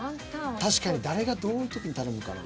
確かに誰がどういう時に頼むかな。